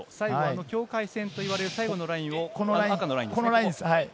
境界線といわれる最後のライン、赤のラインですね。